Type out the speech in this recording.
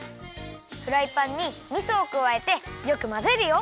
フライパンにみそをくわえてよくまぜるよ。